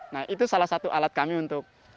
nah itu salah satu alat kami untuk